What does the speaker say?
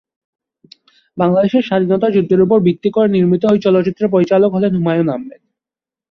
বাংলাদেশের স্বাধীনতা যুদ্ধের উপর ভিত্তি করে নির্মিত এই চলচ্চিত্রের পরিচালক হলেন হুমায়ূন আহমেদ।